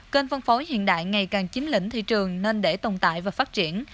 kênh phân phối hiện đại ngày càng chính lĩnh thị trường nên để tồn tại và phát triển